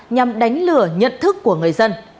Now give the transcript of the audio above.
nhằm đánh lửa nhận thức của người dân